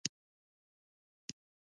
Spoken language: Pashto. یو شمېر مشران یې له ځان سره ملګري کړي.